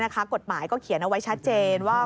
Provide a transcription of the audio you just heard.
กฎหมายก็เขียนเอาไว้ชัดเจนว่า